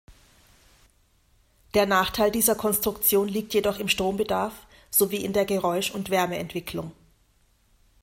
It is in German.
Der Nachteil dieser Konstruktion liegt jedoch im Strombedarf sowie in der Geräusch- und Wärmeentwicklung.